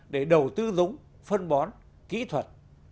để đầu tư giống phân bón kỹ thuật